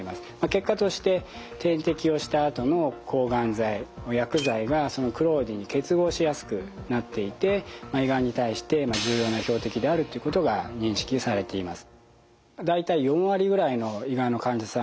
結果として点滴をしたあとの抗がん剤薬剤がそのクローディンに結合しやすくなっていて胃がんに対して重要な標的であるということが認識されています。